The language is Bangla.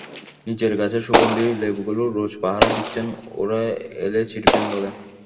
নিজের গাছের সুগন্ধি লেবুগুলো রোজ পাহারা দিচ্ছেন ওরা এলে ছিঁড়বেন বলে।